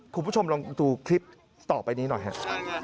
คุณผู้ชมลองดูคลิปต่อไปนี้หน่อยฮะ